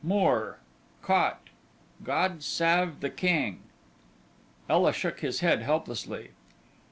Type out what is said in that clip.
"Mor: Cot. God sav the Keng." Ela shook his head helplessly.